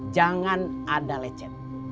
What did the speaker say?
jangan ada lecet